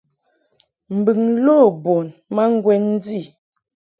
Mbɨŋ lo bun ma ŋgwɛn ndi.